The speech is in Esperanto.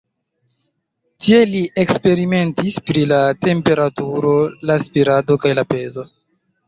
Tie li eksperimentis pri la temperaturo, la spirado kaj la pezo.